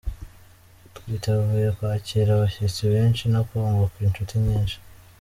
Twiteguye kwakira abashyitsi benshi no kunguka inshuti nyinshi.